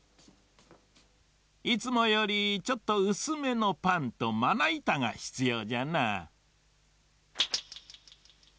いつもよりちょっとうすめのパンとまないたがひつようじゃな。